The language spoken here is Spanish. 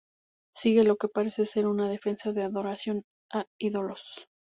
Sigue lo que parece ser una defensa de adoración a ídolos.